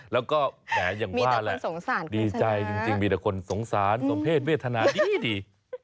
แล้วก็แหมอย่างว่าแหละดีใจจริงมีแต่คนสงสารสมเพศเวทนาดี